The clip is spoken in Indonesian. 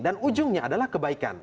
dan ujungnya adalah kebaikan